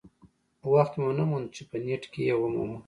وخت مې ونه موند چې په نیټ کې یې ومومم.